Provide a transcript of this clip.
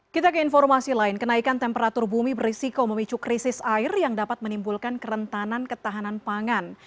kita ke informasi lain kenaikan temperatur bumi berisiko memicu krisis air yang dapat menimbulkan kerentanan ketahanan pangan